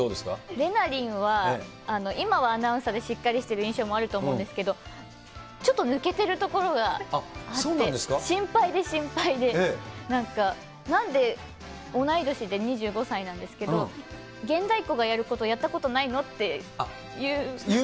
れなりんは、今はアナウンサーでしっかりしてる印象もあると思うんですけど、ちょっと抜けてるところがあって、心配で心配で、なんか、なんで同い年で２５歳なんですけど、現代っ子がやることやったことないのっていう。